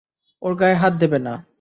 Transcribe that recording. ওর গায়ে হাত দেবে না!